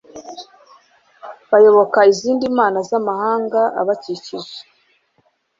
bayoboka izindi mana z'amahanga abakikije